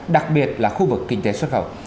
đặc biệt là khu vực kinh tế xuất khẩu